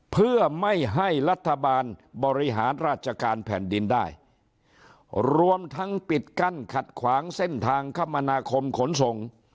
เพื่อไม่ให้รัฐบาลบริหารราชการแผ่นดินได้รวมทั้งปิดกั้นขัดขวางเส้นทางคมนาคมขนส่ง